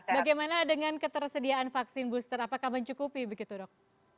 bagaimana dengan ketersediaan vaksin booster apakah mencukupi begitu dok